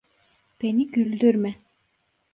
Beni güldürme.